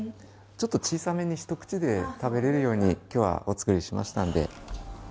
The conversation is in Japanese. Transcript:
ちょっと小さめにひと口で食べられるように今日はお作りしましたので。